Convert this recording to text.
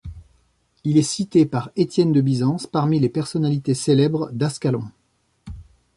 Il est cité par Étienne de Byzance parmi les personnalités célèbres d'Ascalon.